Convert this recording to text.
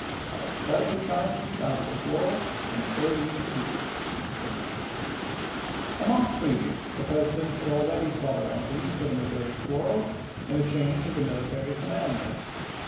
I have stoutly tried to keep out of the quarrel, and so mean to do." A month previous the President had already sought a remedy for the Missouri quarrel in a change of the military commander.